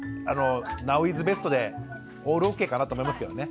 ナウイズベストでオールオッケーかなと思いますけどね。